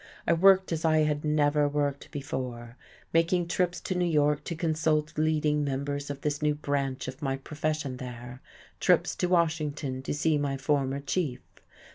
I worked as I had never worked before, making trips to New York to consult leading members of this new branch of my profession there, trips to Washington to see my former chief.